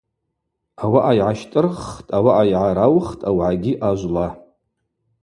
Ауаъа йгӏащтӏырххтӏ, ауаъа йгӏараухтӏ аугӏагьи ажвла.